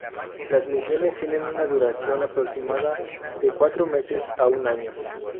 Las misiones tienen una duración aproximada de cuatro meses a un año.